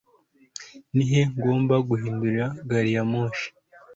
ni he ngomba guhindura gari ya moshi